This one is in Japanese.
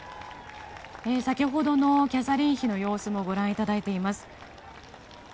先ほどのキャサリン妃の様子もご覧いただいています。